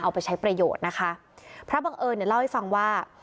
เอาไปใช้ประโยชน์นะคะพระบังเอิญเนี่ยเล่าให้ฟังว่า